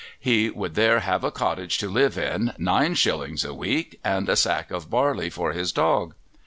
He would there have a cottage to live in, nine shillings a week, and a sack of barley for his dog.